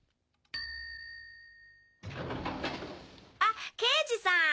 あ刑事さん！